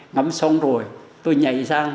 ngắm xong rồi tôi nhạy sang